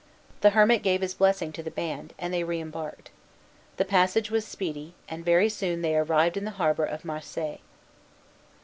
The hermit gave his blessing to the band, and they reembarked. The passage was speedy, and very soon they arrived in the harbor of Marseilles.